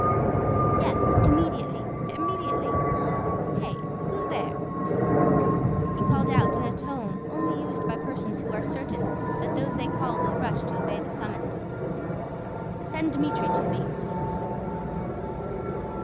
"Yes, immediately, immediately! Hey, who's there?" he called out in a tone only used by persons who are certain that those they call will rush to obey the summons. "Send Dmítri to me!"